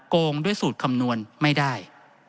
โกงด้วยสูตรคำนวณไม่ได้